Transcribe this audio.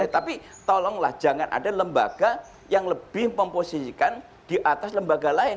tapi tolonglah jangan ada lembaga yang lebih memposisikan di atas lembaga lain